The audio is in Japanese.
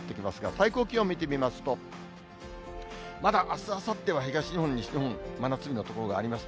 最高気温見てみますと、まだあす、あさっては東日本、西日本、真夏日の所があります。